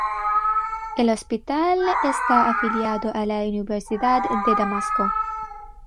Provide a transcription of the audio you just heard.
El hospital está afiliado a la Universidad de Damasco.